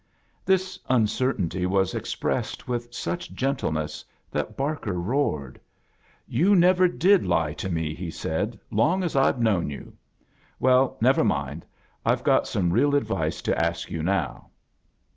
This tincertainty was expressed with stich gentleness that Barker roared. "Yoa never did lie to me," he said, "long as Fve known yoa. Veil, never mind. I've got some real advice to ask yoo now."